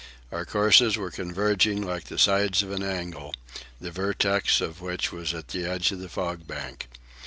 Our courses were converging like the sides of an angle, the vertex of which was at the edge of the fog bank.